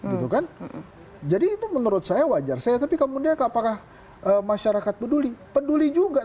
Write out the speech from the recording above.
gitu kan jadi itu menurut saya wajar saya tapi kemudian apakah masyarakat peduli peduli juga